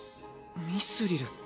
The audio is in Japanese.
ミスリル？